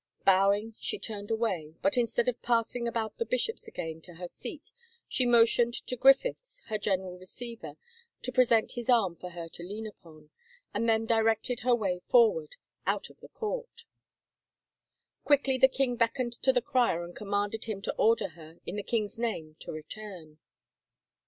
Bowing, she turned away, but instead of 189 THE FAVOR OF KINGS passing about the bishops again to her seat she motioned to Griffeths, her general receiver, to present his arm for her to lean upon, and then directed her way forward, out of the court. Quickly the king beckoned to the crier and commanded him to order her, in the king's name, to return.